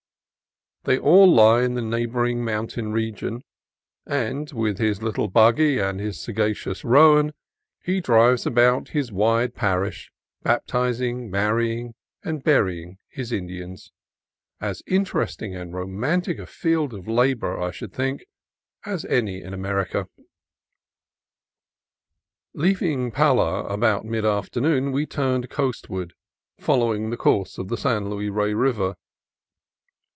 They all lie in the neigh boring mountain region, and with his little buggy and his sagacious roan he drives about his wide parish, baptizing, marrying, and burying his In dians, — as interesting and romantic a field of labor, I should think, as any in America. Leaving Pala about mid afternoon we turned coastward, following the course of the San Luis Rey River.